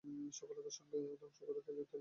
সফলতার সঙ্গে ধ্বংস করে দিলেন তেলের ডিপো।